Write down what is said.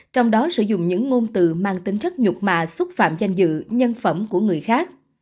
trong đó sử dụng những ngôn từ mang tính chất nhục mà xúc phạm danh dự nhân phẩm của người khác